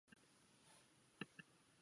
阿戈讷地区普雷特。